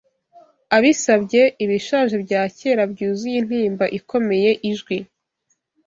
abisabye, ibishaje bya kera Byuzuye intimba ikomeye ijwi